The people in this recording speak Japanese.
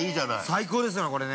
◆最高ですね、これね。